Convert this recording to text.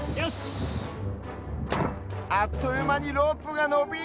あっというまにロープがのびる！